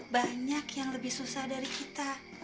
banyak yang lebih susah dari kita